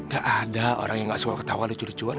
gak ada orang yang gak suka ketahuan lucu lucuan